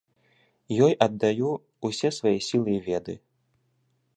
Ёй аддаю ўсе свае сілы і веды.